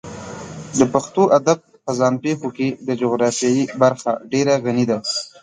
د پښتو ادب په ځان پېښو کې د جغرافیې برخه ډېره غني ده.